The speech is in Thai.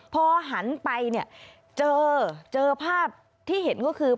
พอหันไปเจอภาพที่เห็นก็คือ